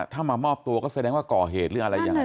ถ้ามามอบตัวก็แสดงว่าก่อเหตุหรืออะไรยังไง